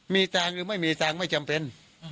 มีทางหรือไม่มีทางไม่จำเป็น